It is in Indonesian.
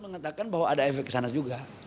mengatakan bahwa ada efek kesana juga